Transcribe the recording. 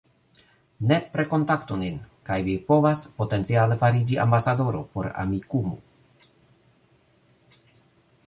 Nepre kontaktu nin kaj vi povas potenciale fariĝi ambasadoro por Amikumu